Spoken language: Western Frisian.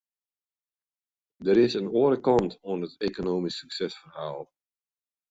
Der is in oare kant oan it ekonomysk suksesferhaal.